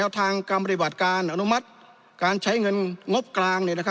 ทางกรรมปฏิบัติการอนุมัติการใช้เงินงบกลาง